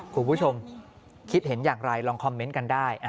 คุณผู้ชมคิดเห็นอย่างไรลองคอมเมนต์กันได้